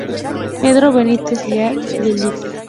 Pedro Benítez Leal y el Lic.